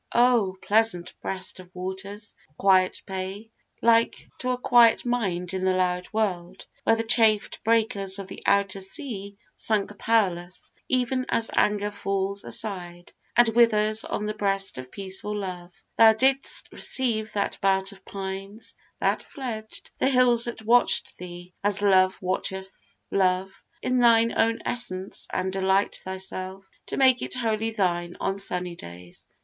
Oh! pleasant breast of waters, quiet bay, Like to a quiet mind in the loud world, Where the chafed breakers of the outer sea Sunk powerless, even as anger falls aside, And withers on the breast of peaceful love, Thou didst receive that belt of pines, that fledged The hills that watch'd thee, as Love watcheth Love, In thine own essence, and delight thyself To make it wholly thine on sunny days.